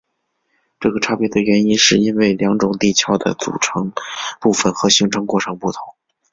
这个差别的原因是因为两种地壳的组成部分和形成过程不同。